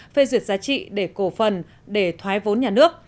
phê duyệt giá trị để cổ phần để thoái vốn nhà nước